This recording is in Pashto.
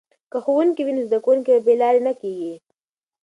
که ښوونکی وي نو زده کوونکي بې لارې نه کیږي.